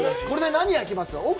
これで何焼きますか。